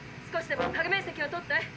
少しでも影面積を取って」。